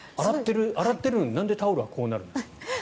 洗ってるのに、なんでタオルはこうなるんですか？